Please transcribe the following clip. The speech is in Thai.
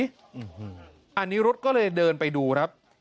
อานิรุดก็เลยเดินไปดูครับ